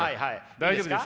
大丈夫ですか？